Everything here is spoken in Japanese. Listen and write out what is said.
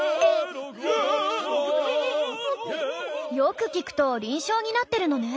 よく聴くと輪唱になってるのね。